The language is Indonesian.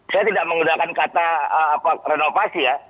saya tidak menggunakan kata renovasi ya